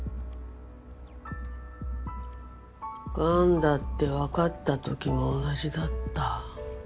がんだってわかったときも同じだった。